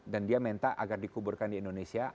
dan dia minta agar dikuburkan di indonesia